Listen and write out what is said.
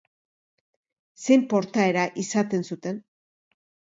Zein portaera izaten zuten?